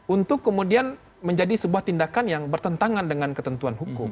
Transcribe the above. untuk kemudian menjadi sebuah tindakan yang bertentangan dengan ketentuan hukum